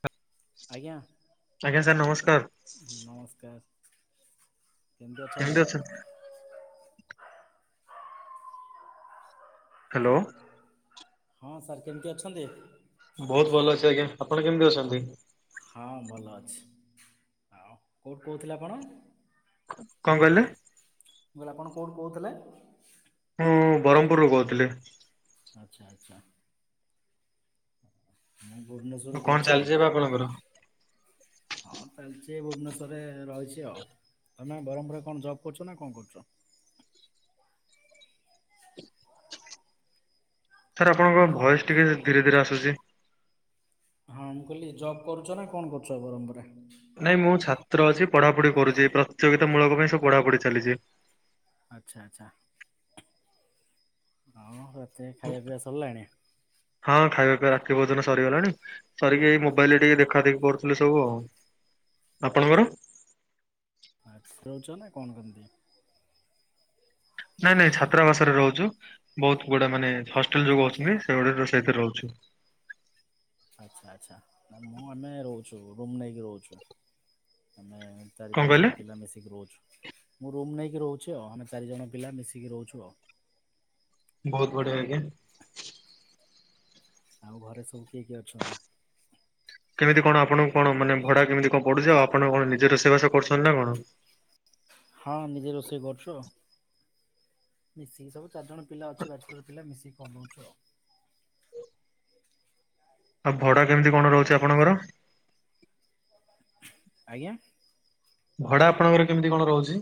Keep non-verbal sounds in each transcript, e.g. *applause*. ହ ଆଜ୍ଞା ନମସ୍କାର ନମସ୍କାର। କେମିତି ଅଛ? ହ୍ୟାଲୋ ହଁ ସାର୍ କେମିତି ଅଛନ୍ତି? ବହୁତ ଭଲ ଅଛି ଆଜ୍ଞା ଆପଣ କେମିତି ଅଛନ୍ତି? ହଁ ଭଲ ଅଛି ଆଉ କଉଠୁ କହୁଥିଲେ ଆପଣ? କଣ କହିଲେ? ମୁଁ କହିଲି ଆପଣ କୋଉଠୁ କହୁଥିଲେ। ମୁଁ ବର୍ମପୁରରୁ କହୁଥିଲି। ଆଚ୍ଛା ଆଚ୍ଛା। ମୁଁ ଭୁବନେଶ୍ୱର ରୁ କଣ କହୁଚି ଆଉ ଚାଲିଛି ଏବେ ଆପଣଙ୍କର? ହଁ ଚାଲିଛି ଭୁବନେଶ୍ୱ ରହିଛି ଆଉ ତମେ ବ୍ରହ୍ମପୁରରେ କଣ ଜବ କରୁଚ ନା କଣ କରୁଛ? ସାର୍ ଆପଣଙ୍କ ଭୟସ ଟିକେ ଧୀରେ ଧୀରେ ଆସୁଛି। ହଁ ମୁଁ କହିଲି ଜବ୍ କରୁଛ ନା କଣ କରୁଛ ବର୍ମପୁରରେ? ନାଇଁ ମୁଁ ଛାତ୍ର ଅଛି ପଢାପଢି କରୁଛି ପ୍ରତିଯୋଗିତା ମୂଳକ ପାଇଁ ସବୁ ପଢାପଢି ଚାଲିଛି। ଆଚଛା ଆଚଛା ହ ହଁ ଖାଇବା ପାଇଁ ରାତ୍ରି ଭୋଜନ ସରିଗଲାଣି ସରିକି ଏଇ ମୋବାଇଲ ରେ ଟିକେ ଦେଖା ଦେଖି କରୁଥିଲେ ସବୁ ଆଉ। ଆପଣଙ୍କର? ଆଛ ରହୁଛ ନା କଣ କରନ୍ତି? ନାଇଁ ନାଇଁ ଛାତ୍ରାବାସରେ ରହୁଛୁ ବହୁତ ଗୁଡା ମାନେ ହଷ୍ଟେଲ ଯୋଉ ଛାତ୍ରାବାସ। ଅଛନ୍ତି ସେ ଗୁଡେ ରୋଷେଇକରି ରହୁଛୁ। ଆଚ୍ଛା ଆଛା ମୁଁ ଆମେ ରହୁଛୁ ରୁମ ନେଇକି ରହୁଛୁ। ଆମେ ଚାରି କଣ ପାଞ୍ଚ କହିଲେ? ଜଣ ପିଲା ମିଶିକି ରହୁଛୁ। ମୁଁ ରୁମ୍ ନେଇକି ରହୁଛି ଆଉ ଆମେ ଚାରିଜଣ ପିଲା ମିଶିକି ରହୁଛୁ ଆଉ। ବହୁତ ବଢିଆ ଆଜ୍ଞା। ଆଉ ଘରେ ସବୁ କିଏ କିଏ ଅଛନ୍ତି? କେମିତି କଣ ଆପଣଙ୍କୁ କଣ ମାନେ ଭଡା କେମିତି କଣ ପଡୁଛି ଆଉ ଆପଣ କଣ ନିଜେ ରୋଷେଇ ବାସ କରୁଛନ୍ତି ନା କଣ? ହଁ ନିଜେ ରୋଷେଇ କରୁଛୁ ଆଉ। ମିଶିକି ସବୁ ଚାରି ଜଣ ପିଲା ଅଛୁ ବ୍ୟାଚଲର ପିଲା ମିଶିକି ବନଉଚୁ ଆଉ। ଆଉ ଭଡା କେମିତି କଣ ରହୁଛି ଆପଣଙ୍କର। ଆଜ୍ଞା। ଭଡା ଆପଣଙ୍କର କେମିତି କଣ ରହୁଛି?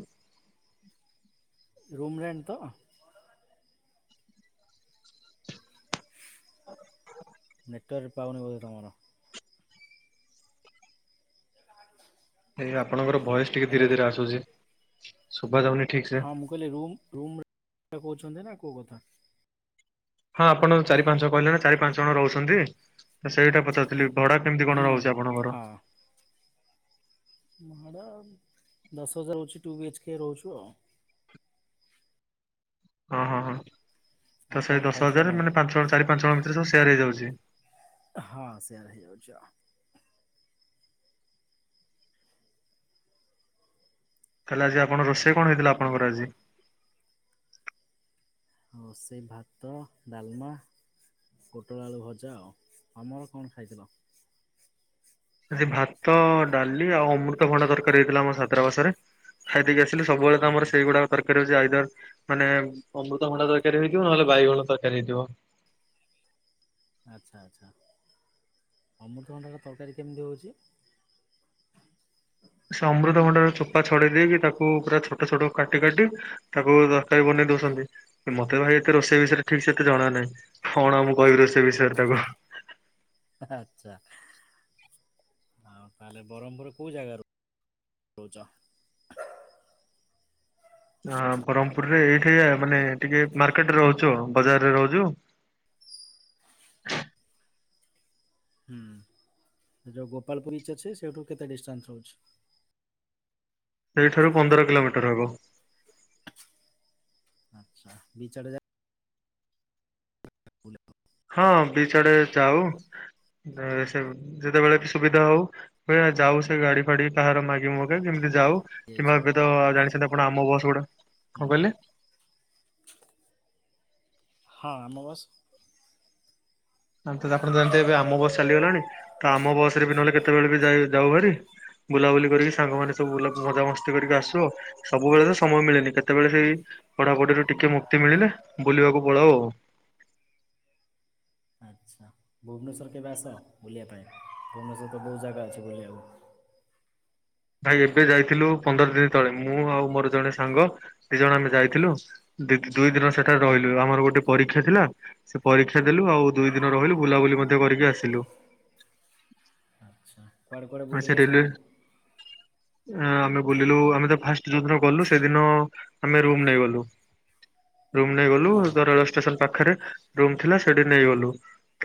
ରୁମ ରେଣ୍ଟ ତ? ନେଟୱାର୍କ ପାଉନି ବୋଧେ ତମର। ଏଇ ଆପଣଙ୍କର ଭଏସ ଟିକେ ଧୀରେ ହ୍ୟାଲୋ ଧୀରେ ଆସୁଛି ଶୁଭାଯାଉନି। ହଁ ମୁଁ କହିଲି ରୁମ୍ ରୁମ୍ ରେଣ୍ଟ କହୁଛନ୍ତି ନା କୋଉ କଥା? ହଁ ଆପଣ ଚାରି ପାଞ୍ଚ ଜଣ କହିଲେ ନା ଚାରି ପାଞ୍ଚ ଜଣ ରହୁଛନ୍ତି ସେଇଟା ପଚାରୁଥିଲି। ଭଡା କେମିତି ହୁଁ କଣ ରହୁଛି ଆପଣଙ୍କର। ହଁ ଭଡ଼ା ଦଶ ହଜାର ହଉଛି ଟୁ ବି ଏଚ୍କ ରହୁଛୁ ଆଉ। ଓଁ ହଁ ହଁ ଆଉ ତ କଣ ସେଇ ଦଶ ଖାଇଥିଲ ହଜାର କଣ? ମାନେ ପାଞ୍ଚ ଜଣ ଚାରି ପାଞ୍ଚ ଜଣ ଭିତରେ ସବୁ ସେୟାର ହେଇଯାଉଛି। ହଁ ସେୟାର ହେଇଯାଉଛି ଆଉ। ତାହେଲେ ଆଜି ଆପଣ ରୋଷେଇ କଣ ହେଇଥିଲା ଆଉ ଆପଣଙ୍କର ଆଜି? ରୋସେଇ ଭାତ, ଡାଲମା। ପୋଟଳ ଆଳୁ ଭଜା ଆଉ ଆମର କଣ ଖାଇଥିଲ? ଆଜି ଭାତ, ଡାଲି ଆଉ ଅମୃତଭଣ୍ଡା ତରକାରୀ ହେଇଥିଲା ଆମ ଛାତ୍ରବାସରେ ଖାଇ ଦେଇକି ଆସି ସବୁବେଳେ ତ ଆମର ସେଇଗୁଡା ତର ର୍କାରି ହଉଛି ଆଇଦର ମାନେ ଅମୃତଭଣ୍ଡା ତରକାରୀ ହେଇଥିବ ନହେଲେ ବାଇଗଣ ତରକାରୀ ହେଇଥିବ। ଆଚ୍ଛା ଆଚ୍ଛା ଅମୃତଭଣ୍ଡାର ତରକାରୀ କେମିତି ହଉଛି? ସେ ଅମୃତଭଣ୍ଡାର ଚୋପା ଛଡେଇ ଦେଇକି ତାକୁ ପୁରା ଛୋଟ ଛୋଟ କାଟି କାଟି ତାକୁ ତରକାରୀ ବନେଇ ଦଉଛନ୍ତି। ମତେ ଭାଇ ଏତେ ରୋଷେଇ ବିଷୟରେ ଠିକ ସେ ଏତେ ଜଣା ନାହିଁ। କଣ ଆଉମୁଁ କହିବି ରୋଷେଇ ବିଷୟରେ ତାକୁ? ହ *unintelligible* ଆଛା ଆଉ ତାହେଲେ ବ୍ରହ୍ମପୁର କୋଉ ଜାଗା ରୁ? ରହୁଚ। ହ ବରହ୍ମପୁର। ଏଇଠି ମାନେ ଟିକେ ମାର୍କେଟରେ ରହୁଛୁ ଆଉ। ବଜାରରେ ରହୁଛୁ। ହ *unintelligible* ହୁଁ ଯୋଉ ଗୋପାଳପୁର ଇଚ୍ ଅଛି। ସେଇଠୁ କେତେ ଡିଷ୍ଟାନ୍ସ ରହୁଛି? ସେଇଠାରୁ ପନ୍ଦର କିଲୋମିଟର ହବ। ଆଚ୍ଛା ବିଚ ଆଡେ ଯା ହଁ ବିଚ ଆଡେ ଯାଉ। ଏ ସେ ଯେତେବେଳେ ସୁବିଧା ହଉ ବେଳେ ବେଳେ ଯାଉ ସେ ଗାଡ଼ି ଫାଡି କାହାର ମାଗି ମୁଗା କେମିତି ଯାଉ ଯାଇଛ କିମ୍ବା ଏବେ ତ ଜାଣିଛନ୍ତି ଆପଣ ଆମ ବସ୍ ଗୁଡା। ହୁଁ କଣ କହିଲେ? *inaudible* ହଁ ଆମ ବସ ଆ ଆପଣ ଜାଣ ଏବେ ଆମ ବସ୍ ଚାଲିଗଲାଣି। ତ ଆମ ବସ ରେ ବି ନହେଲେ କେତେବେଳେ ବି ଯାଉ ଭାରି। ବୁଲାବୁଲି କରିକି ସାଙ୍ଗମାନେ ସବୁ ମଜାମସ୍ତି କରିକି ଆସୁ। ସବୁବେଳେ ତ ସମୟ ମିଳେନି କେତେବେଳେ ସେଇ ପଢାପଢିରୁ ଟିକେ ମୁକ୍ତି ମିଳିଲେ ବୁଲିବାକୁ ପଳାଉ ଆଉ। ଭୁବନେଶ୍ୱର କେବେ ଆସ ବୁଲିବା ପାଇଁ ଭୁବନେଶ୍ୱର ତ ବହୁତ ଜାଗା ଅଛି ବୁଲିବାକୁ। *inaudible* ଭାଇ ଏବେ ଯାଇଥିଲୁ ପନ୍ଦର ଦିନ ତଳେ। ମୁଁ ଆଉ ମୋର ଜଣେ ସାଙ୍ଗ ଦି ଜଣ ଆମେ ଯାଇଥିଲୁ ଦୁଇ ଦିନ ସେଠାରେ ରହିଲୁ। ଆମର ଗୋଟେ ପରୀକ୍ଷା ଥିଲା ସେ ପରୀକ୍ଷା ଦେଲୁ ଆଉ ଦୁଇ ଦିନ ରହିଲୁ ବୁଲାବୁଲି ମଧ୍ୟ କରିକି ଆସିଲୁ। ଆଚ୍ଛା କୁଆଡ଼େ କୁଆଡ଼େ ଆ ସେ ବୁଲିଲେ ରେଲୱେ ସବୁ? ଆମେ ବୁଲିଲୁ ଆମେ ତ ଫାଟ ଯୋଉଦିନ ଗଲୁ ସେଦିନ ଆମେ ରୁମ ନେଇ ଗଲୁ। ରୁମ ନେଇ ଗଲୁ ହଁ ତ ରେଳ ଷ୍ଟେସନ ପାଖରେ ରୁମ୍ ଥିଲା ସେଠି ନେଇ ଗଲୁ।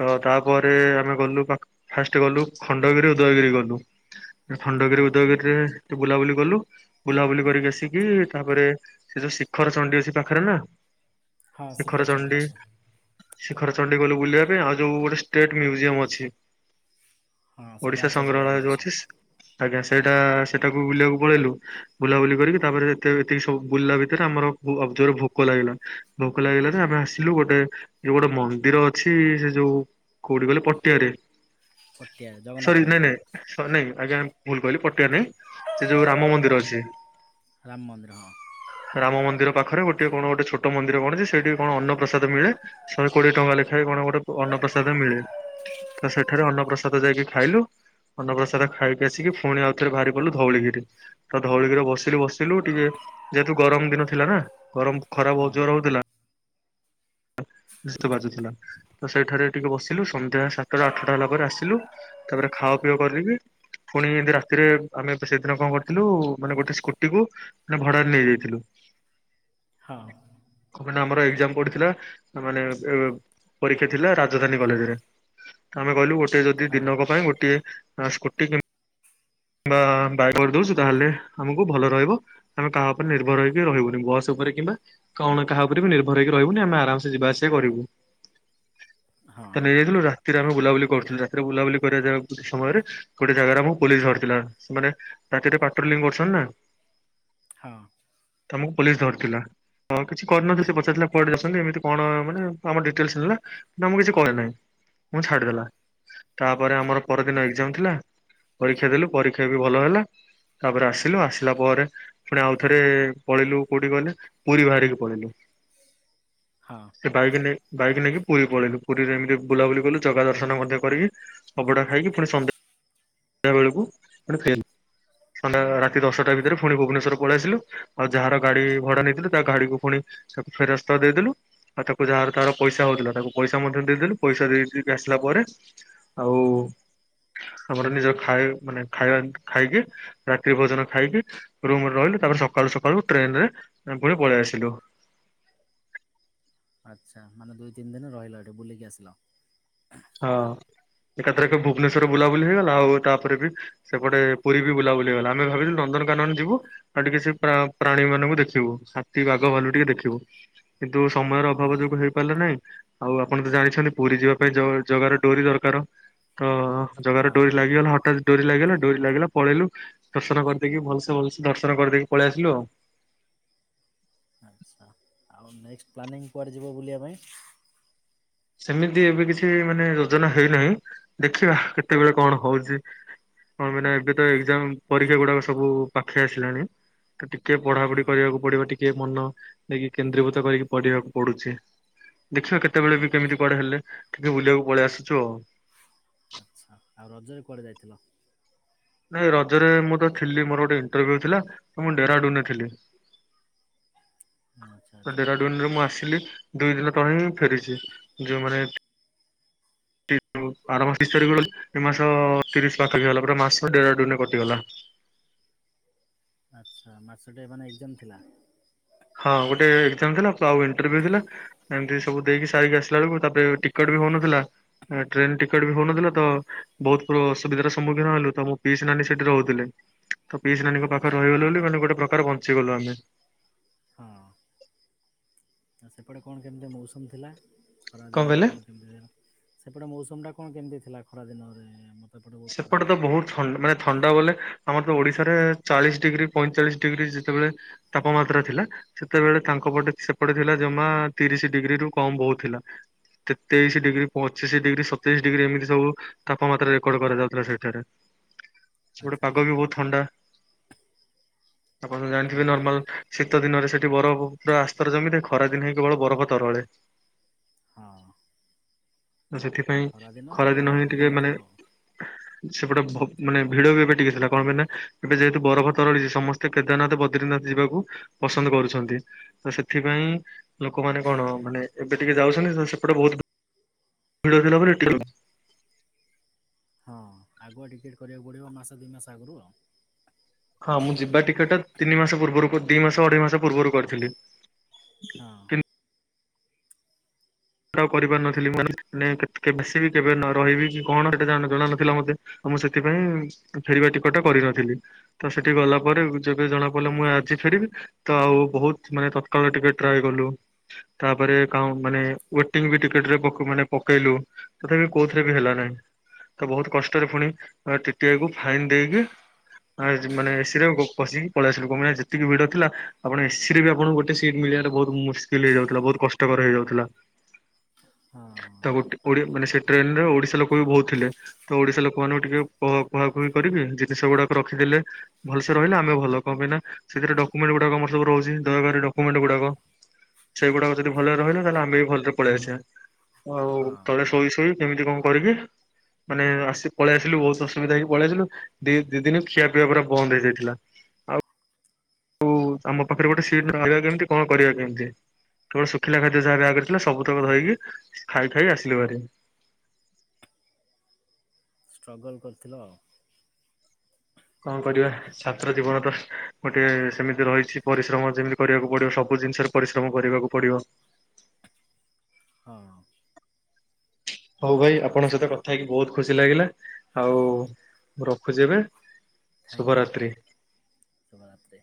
ତ ତାପରେ ଆମେ ଗଲୁ ଫାଷ୍ଟ ଗଲୁ ଖଣ୍ଡଗିରି ଉଦୟଗିରି ଗଲୁ। ଖଣ୍ଡଗିରି ହଁ ଉଦୟଗିରିରେ ବୁଲାବୁଲି କଲୁ ବୁଲାବୁଲି କରିକି ଆସିକି ତାପରେ ସେ ଯୋଉ ଶିଖର ଚଣ୍ଡୀ ଅଛି ପାଖରେ ନା? ହଁ ଶିଖର ଚଣ୍ଡୀ ଅଛି। ଶିଖର ଚଣ୍ଡୀ ଗଲୁ ବୁଲିବା ପାଇଁ ଆଉ ଯୋଉ ଗୋଟେ ଷ୍ଟେଟ ମ୍ୟୁଜିୟମ ଅଛି। ହଁ ସେଇଟା ଆଚାର୍ଯ୍ୟ ବିହାର ଅ- ଅଛି ଆଜ୍ଞା ସେଇଟା ସେଟାକୁ ବୁଲିବାକୁ ପଳେଇଲୁ ବୁଲାବୁଲି କରିକି ତାପରେ ଏତିକ ଏତିକି ବୁଲିଲା ଭିତରେ ଆମର ଅଵ ଜୋର ଭୋକ ଲାଗି ଲାଗିଲା ଭୋକ ଲାଗିଲା ଯେ ଆମେ ଆସିଲୁ ଗୋଟେ ଯଉ ଗୋଟେ ମନ୍ଦିର ଅଛି ସେ ଯୋଉ କଉଠି କହିଲେ ପଟିଆରେ। ପଟିଆ ସରି ଜଗନ୍ନାଥ ନାଇଁ ମନ୍ଦିର। ନାଇଁ ଆଜ୍ଞା ଭୁଲ କହିଲି ପଟଆ ନାାଇଁ ସେ ଯୋଉ ରାମ ମନ୍ଦିର ଅଛି। ରାମ ମନ୍ଦିର ହଁ ରାମ *unintelligible* ମନ୍ଦିର ପାଖରେ ଗୋଟ କଣ ଗୋଟେ ଛୋଟ ମନ୍ଦିର କଣଛି। ସେଠି କଣ ଅନ୍ନପ୍ରସାଦ ମିଳେ ସହେକୋଡ଼ିଏ ଟଙ୍କା ଲେଖାଏ କଣ ଗୋଟେ ଅନ୍ନ ପସାଦ ମିଳେ ତ ସେଠାରେ ଅନ୍ନପ୍ରସାଦ ଯାଇକି ଖାଇଲୁ। ଅନ୍ନପ୍ରସାଦ ଖାଇକି ଆସିକି ପୁଣି ଆଉଥରେ ବାହାରି ପଡିଲୁ ଧଉଳିିକିରି ତ ଧଉଳିିକିରିରେ ବସିଲୁ ବସିଲୁ ଟିକେ ଯେହେତୁ ଗରମ ଦିନ ଥିଲା ନା ଗରମ ଖରା ହଁ ବହୁତ୍ ଜୋରରେ ହଉଥିଲା। ଧିତ ବାଜୁଥିଲା ତ ସେଇଠାରେ ଟିକେ ବସିଲୁ ସନ୍ଧ୍ୟା ସାତଟା ଆଠଟା ହେଲା ପରେ ଆସିଲୁ ତାପରେ ଖା ପିଆ କର କିି ପୁଣି ଏମିତି ରାତିରେ ଆମେ ସେଦିନ କଣ କରିଥିଲୁ ମାନେ ଗୋଟେ ସ୍କୁଟିକୁୁ ମାନେ ଭଡାରେ ନେଇଯାଇଥିଲୁ *inaudible* ହଁ। କାହିଁକି ନା ଆମର ଏଗଜାମ୍ ପଡ଼ିଥିଲା ମାନେ ଏ ପରୀକ୍ଷା ଥିଲା ରାଜଧାନୀ କଲେଜ ରେ। ଆମେ କହିଲୁ ଗୋଟେ ଯଦି ହଁ ଦିନକ ପାଇଁ ଗୋଟେ ସ୍କୁଟି କି ବା ବାାଇ କରିଦଉଛୁ ତାହେଲେ ଆମକୁ ଭଲ ରହିବ ଆମେ କାହା ଉପରେ ନିର୍ଭର ହେଇକି ରହିବୁନି ବସ୍ ଉପେର। ରେ କିମ୍ବା କଣ କାହା ଉପରେ ବି ନିର୍ଭର ହେଇକି ରହିବୁନି ଆମେ ଆରାମସ ଯିବା ଆସିବା କରିବୁ। ହଁ ତାନେ *unintelligible* ଥିରେ ଆମେ ବୁଲାବୁ କରୁ ରାତିରେ ବୁଲାୁଲି କରିବା ଗେ ସମୟରେ ଗୋଟେ ଜାଗାରେ ଆମଁ ପୋଲିସ ଧରଥି ପିଲା ସେମାନେ ରାତିରେ ପାଟ୍ର କରୁଛନ୍ତି ନା। ହଁ। ତମକୁ ପୋଲିସ୍ ଧରିଥିଲା। ହଁ କିଛି କରିନହାନ୍ତି ସେ ପଚାରିଥିଲା କୁଆଡ଼େ ଯାଉଛନ୍ତି ଏମିତି କଣ ମାନେ ଆମର ଡିଟେଲସ ନେଲା ଆମକୁ କିଛି କରେନାହିଁ ମୁଁ ଛାଡିଦେଲା ତାପରେ ଆଚ୍ଛା ଆମର ପରଦିନ ଆଚ୍ଛା ଏକ୍ଜାମ ଥିଲା ପରୀକ୍ଷା ଦେଲୁ। ପରୀକ୍ଷା ବି ଭଲ ହେଲା। ତାପରେ ଆସିଲୁ ଆସିଲା ପରେ ପୁଣି ଆଉଥରେ ପଳେଇିଲୁ କୋଉଠି ଗଲେ ପୁରୀ ବାହାରିକି ପଳେଇଲୁ। ହଁ *unintelligible* ସେ ବାଇକ ନେଇ ବାଇକ ନେଇ-ନେଇକି। ପୁରୀ ପଳେଇଲୁ ପୁରୀରେ ଏମିତି ବୁଲାବୁଲି କଲୁ ଜଗା ଦର୍ଶନ ମଧ୍ୟ କରିକି ଅବଢ଼ା ଖାଇକି ପୁଣି ସନ୍ଧ୍ୟା। ସନ୍ଧ୍ଯା ବେଳକୁେ ପୁଣି ଫେରିଲୁ। ସନ୍ଧ୍ୟା ରାତି ଦଶଟା ଭିତରେ ପୁଣି ଭୁବନେଶ୍ୱଵର ପଳେଇ ଆସିଲୁ ଆଉ ଯାହାର ଗାଡି ଭଡ଼ା ନେଇଥିଲୁ ତା ଗାଡ଼ିକୁ ପୁଣି ତାକୁ ଫେରସ୍ତ ଦେଇଦଲୁ ଆଉ ତାକୁ ଯାହାର ତାର ପଇସା ହଉଥିଲା ତାକୁ ପଇସା ମଧ୍ୟ ଦେଇଦେଲୁ ପଇସା ଦେଇଦେଇକି ଆସିକି ଲା ପରେ ଆଉ ଆମର ନିଜ ଖାଏ ମାନେ। ଖାଇବା ଖାଇକି ରାତ୍ରି ଭୋଜନ ଖାଇକି ରୁମରେ ରହିଲି ତାପରେ ସକାଳୁ ସକାଳୁ ଟ୍ରେନ ରେ ପୁଣି ପଳେ ଆସିଲୁ। ଆଚ୍ଛା ମାନେ ଦୁଇ ତିନି ଦିନ ରହିଲ ଏଠି ବୁଲିକି ଆସିଲ। ହଁ। ଏକାଥରକେ ଭୁବନେଶ୍ୱର ବୁଲାବୁଲି ହେଇଗଲା, ଆଉ ତାପରେ ବି ସେପଟେ ପୁରୀ ବି ବୁଲାବୁଲି ହେଇଗଲା। ଆମେ ଭାବିଲୁ ନ ନନ୍ଦନ କାନନ ଯିବୁ, ଆଉ ଟିକେ ସେ ପ୍ରା-ପ୍ରାଣୀ ମାନଙ୍କୁ ଦେଖିବୁ। ହାତୀ, ବାଘ, ଭାଲୁ ଟିକେ ଦେଖିବୁ। କିନ୍ତୁ ସମୟର ହଁ ଅଭାବ ଯୋଗୁଁ ହେଇପାରିଲା ନାହିଁ। ଆଉ ଆପଣ ତ ଜାଣିଛନ୍ତି ପୁରୀ ଯିବା ପାଇଁ ଜୟ ତୁ ଜଗାର ଡୋରି ଦରକାର। ତ ଜଗାର ହଁ ଡୋରି ଲାଗିଗଲା, ହଠାତ୍ ଡୋରି ଲାଗିଗଲା, ଡୋରି ଲାଗିଲା ପଳେଇଲୁ। ଦର୍ଶନ କରିଦେଇକି ଭଲସେ ଭଲସେ ଦର୍ଶନ କରିଦେଇକି ପଳେଇ ଆସିଲୁ ଆଉ। ଆଚ୍ଛା। ଆଉ ନେକ୍ସଟ୍ ପ୍ଲାନିଂ କୁଆଡ଼େ ଯିବ ବୁଲିବା ପାଇଁ? ସେମିତି ଏବେ କିଛି ମାନେ ଯୋଜନା ହେଇନାହିଁ। ଦେଖିବା କେତେବେଳେ କଣ ହଉଛି? ହଁ, ମାନେ ଏବେ ତ ଏକ୍ଜାମ ପରୀକ୍ଷା ଗୁଡାକ ସବୁ ପାଖେଇ ଆସିଲାଣି। ତ ଟିକେ ହଁ ପଢାପଢି କରିବାକୁ ପଡିବ, ଟିକେ ମନ ନେଇକି କେନ୍ଦ୍ରୀଭୂତ କରିକି ପଢିବାକୁ ପଡୁଛି। ଦେଖିବା କେତେବେଳେ ଆଚ୍ଛା ବି କେମିତି କୁଆଡେ ହେଲେ, ଟିକେ ବୁଲିବାକୁ ପଳେଇ ଆସିଛୁ ଆଉ। ଆଚ୍ଛା ଆଉ ରଜରେ କୁଆଡ଼େ ଯାଇଥିଲ? ନାଇଁ ରଜରେ ମୁଁ ତ ଥିଲି, ମୋର ଗୋଟେ ଇଣ୍ଟରଭ୍ୟୁ ଥିଲା, ମୁଁ ଡେରାଡୁନରେ ଥିଲି। ଆଚ୍ଛା ଆଚ୍ଛା ଡେରାଡୁନରେ ମୁଁ ଆସିଲି, ଦୁଇ ଦିନ ତଳେ ହିଁ ଫେରିଛି। ଯୋଉମାନେ *unintelligible* ଆର ମାସ ଏକ ତାରିଖ ବେଳକୁ, ଏ ମାସ ତିରିଶ ପଖାପାଖି ହେଇଗଲା, ପୁରା ମାସ ଡେରାଡୁନରେ କଟିଗଲା। ଆଚ୍ଛା। ମାସଟେ ମାନେ ଏକ୍ଜାମ ଥିଲା? ହଁ ଗୋଟେ ଏକ୍ଜାମ ଥିଲା, ଆଉ ଇଣ୍ଟରଭ୍ୟୁ ଥିଲା। ଏମତି ସବୁ ଦେଇକି ସାରିକି ଆସିଲା ବେଳକୁ, ତାପରେ ଟିକଟ ବି ହଉନଥିଲା, ଟ୍ରେନ ଟିକେଟ ବି ହଉନଥିଲା, ତ ବହୁତ ଅସୁବିଧାର ସମ୍ମୁଖୀନ ହେଲୁ। ତ ମୋ ପିଇସି ନାନୀ ହେଲେ ସେଠି ରହୁଥିଲେ। ତ ପିଇସିନାନୀଙ୍କ ପାଖରେ ଆଚ୍ଛା ରହିଗଲୁ ବୋଲି, ମାନେ ଗୋଟେ ପ୍ରକାର ବଞ୍ଚିଗଲୁ ଆମେ। ହଁ ଆଉ ସେପଟେ କଣ କେମତି ମୌସମ ଥିଲା? ଖରାଦିନରେ କଣ କେମତି ଥିଲା? ସେପଟେ ମୌସମଟା କଣ କେମତି ଥିଲା ଖରା ଦିନରେ? ଏପଟେ ବହୁତ ଖରା ସେପଟେ ତ ହେଉଥିଲା। ବହୁତ ଥଣ୍ଡ ମାନେ ଥଣ୍ଡା ବୋଲେ ଆମର ତ ଓଡିଶାରେ ଚାଳିଶ ଡିଗ୍ରୀ, ପଇଁଚାଳିଶ ଡିଗ୍ରୀ ଯେତେବେଳେ ତାପମାତ୍ରା ଥିଲା, ସେତେବେଳେ ତାଙ୍କ ତାଙ୍କ ପଟେ ସେପଟେ ଥିଲା ଜମା, ତିରିଶି ଡିଗ୍ରୀରୁ କମ ବହୁତ ଥିଲା। ତେ-ତେଇଶି ଡିଗ୍ରୀ, ପଚିଶି ଡିଗ୍ରୀ, ସତେଇଶି ଡିଗ୍ରୀ, ଏମିତି ସବୁ ତାପମାତ୍ରାରେ କକଡ କରାଯାଉଥିଲା ସେଇଠାରେ। ସେପଟେ ଆଚ୍ଛା ପାଗ ଆଚ୍ଛା ବି ବହୁତ ଥଣ୍ଡା। ଆପଣ ତ ଜାଣିଥିବେ ହଁ ନର୍ମାଲ, ଶୀତଦିନରେ ସେଠି ବରଫ ପୁରା ଆସ୍ତର ଜମିଥାଏ, ଖରାଦିନେ ହିଁ କେବଳ ବରଫ ତରଳ ଳେ। ହଁ। ତ ସେଥିପାଇଁ, ବି ଜଣା ଖରାଦିନ ବି ହିଁ ଟିକେ ପଡ଼ୁନଥିବ ମାନେ ଆଉ। ସେପଟେ ଭ ମାନେ ଭିଡ ବି ଏବେ ଟିକେ ଥିଲା। କଣ ପାଇଁ ନା? ଏବେ ଯେହେତୁ ବରଫ ତରଳିଛି ସମସ୍ତେ କେଦାରନାଥ, ବଦ୍ରି ଦିନରାତି ଯିବାକୁ ପସନ୍ଦ କରୁଛନ୍ତି। ତ ସେଥିପାଇଁ, ଲୋକମାନେ କଣ ମାନେ ଏବେ ଟିକେ ଯାଉ ଯାଉଛନ୍ତି, ତ ସେପଟେ ବହୁତ ଭିଡ଼ ନକରି ଏଠିକି ହଁ ଆଗୁଆ ଟିକେଟ୍ କରିବାକୁ ପଡ଼ିବ, ମାସେ ଦୁଇ ମାସ ଆଗୁରୁ ଆଉ। ହଁ ମୁଁ ଯିବା ଟିକେଟଟା ତିନି ମାସ ପୂର୍ବରୁ, ଦି ମାସ ଅଢ଼େଇ ମାସ ପୂର୍ବରୁ କରିଥିଲି। ହଁ। କାହାକୁ କରିପାରିନଥିଲି ମୁଁ କାଇଁନା ସେତେବେଳେ *unintelligible* ସେଇ କେବେ ନ ରହିବି କି କଣ ସେଟା ଜଣା ନଥିଲା ମତେ। ମୁଁ ସେଥିପାଇଁ, ଫେରିବା ଟିକଟଟା କରିନଥିଲି। ତ ସେଠିକି ଗଲାପରେ, ଯେବେ ଜଣା ପଡ଼ିଲା ମୁଁ ଆଚ୍ଛା ଆଜି ଆଚ୍ଛା। ଫେର ରିବି, ତ ଆଉ ବହୁତ ମାନେ ତତ୍କାଳ ଟିକେଟ୍ ଟ୍ରାଏ କଲୁ, ତାପରେ କାଉଁ ମାନେ ୱେଟିଂ ବି ଟିକେଟରେ ପକେ ମାନେ ପକେଇଲୁ, ତଥାପି କୋଉଥିରେ ବି ହେଲା ନାହିଁ। ତ ବହୁତ କଷ୍ଟରେ ଫୁଣି, ଟି ଟି ଆଇ କୁୁ ଫାଇନ ଦେଇକି ଆଜି ମାନେ ଏସିରେ ପ-ପଶିକି ପଳେଇ ଆସିଲୁ। କଣ ପାଇଁ ନା, ଯେତିକି ଭିଡ ଥିଲା, ଆପଣ ଏସିରେ ବି ଆପଣଙ୍କୁ ଗୋଟେ ସିଟ୍ ମିଳି ଳିବାଟା ବହୁତ ମୁସ୍କିଲ ହେଇଯାଉଥିଲା, ବହୁତ କଷ୍ଟକର ହେଇଯାଉଥିଲା। ହଁ ତାକୁ ଟିକ ଓଡ଼ିଆ ମାନେ ସେ ଟ୍ରେନରେ ଓଡିଶା ଲୋକ ବି ବହୁତ ଥିଲେ। ତ ଓଡିଶା ଲୋକମାନଙ୍କୁ ଟିକେ କ କୁହା କୁହି କରିକି, ଜିନିଷ ଗୁଡାକ ରଖିଦେଲେ, ଭଲସେ ରହିଲେ ଆମେ ଭଲ। କଣ ପାଇଁ ନା, ସେଥିରେ ଡକ୍ୟୁମେଣ୍ଟ ଗୁଡାକ ଆମର ସବୁ ରହୁ ହୁଚି ଦରକାରୀ ଡକ୍ୟୁମେଣ୍ଟ ଗୁଡ଼ାକ। ସେଇ ଗୁଡ଼ାକ ଯଦି ଭଲରେ ରହିଲା, ତାହେଲେ ଆମେ ବି ଭଲରେ ପଳେଇ ଆସିଆ। ଆଉ ହଁ ହଁ ତଳେ ଶୋଇ ଶୋଇ କେମିତି କଣ କରିବି ମାନେ ଆସି ପଳେଇ ଆସିଲୁ ବହୁତ ଅସୁବିଧା ହେଇକି ପଳେଇ ଆସିଲୁ ଦି ଦି ଦିନ ଖିଆ ପିଇବା ପୁରା ବନ୍ଦ ହେଇଯାଇଥିଲା। ଆଉ ଆମ ପାଖରେ ଗୋଟେ ସିଟ ରହିବା କେମିତି କଣ କରିବା କେମତି କେବଳ ଶୁଖିଲା ଖାଦ୍ୟ ଯାହା ବ୍ୟାଗ ରେ ସବୁତକ ହଁ ଧରକି ଖାଇ ଖାଇ ଆସିଲୁ ହେରି। ଷ୍ଟ୍ରଗଲ୍ କରିଥିଲ ଆଉ। କଣ କରିବା ଛାତ୍ର ଜୀବନ ତ ଗୋଟେ ସେମିତି ରହିଛି ପରିଶ୍ରମ ଯେମିତି କରିବାକୁ ପଡିବ ସବୁ ଜିନିଷରେ ପରିଶ୍ରମ କରିବାକୁ ପଡିବ। ହଁ ହଉ ଭାଇ ଆଚ୍ଛା ଆପଣଙ୍କହିତ କଥା ହେଇତୁ ବହୁତ ଖୁସି ତିଲା ଲାଗିଲା ଆଉ ରଖୁଛି ଏବେ। ଥ୍ୟାଙ୍କ ୟୁ ଶୁଭରାତ୍ରି। ଶୁଭ ରାତ୍ରି।